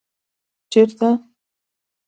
ـ چېرته؟